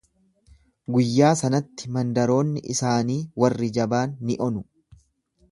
Guyyaa sanatti mandaroonni isaanii warri jabaan ni onu.